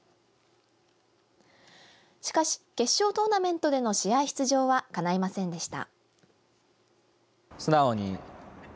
しかし、決勝トーナメントでの試合出場はかないませんでした。